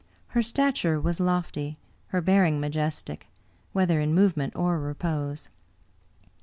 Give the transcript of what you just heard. Her stature was lofty, her bearing majestic, whether in movement or repose.